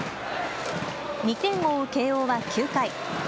２点を追う慶応は９回。